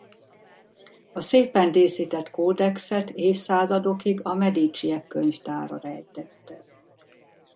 A szépen díszített kódexet évszázadokig a Mediciek könyvtára rejtette.